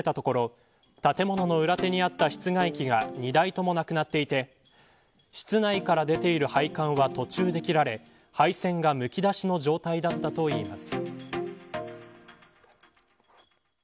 朝施設を利用しようと訪れたところ建物の裏手にあった室外機が２台ともなくなっていて室内から出ている配管は途中で切られ配線がむき出しの状態だったといいます。